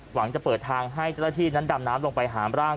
หวังจะเปิดทางให้เจ้าหน้าที่นั้นดำน้ำลงไปหามร่าง